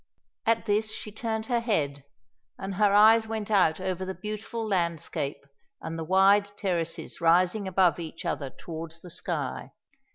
At this she turned her head, and her eyes went out over the beautiful landscape and the wide terraces rising above each other towards the sky.